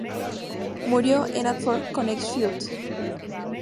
Murió en Hartford, Connecticut.